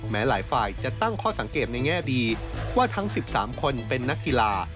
แม้หลายฝ่ายจะตั้งข้อสังเกตในแง่ดีว่าทั้ง๑๓คนเป็นนักกีฬา